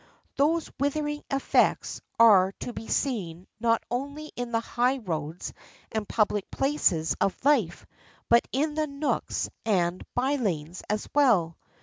These withering effects are to be seen not only in the high roads and public places of life, but in the nooks and by lanes as well.